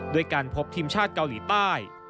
ด้วยการพบทีมชาติเกาหลีใต้